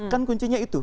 kan kuncinya itu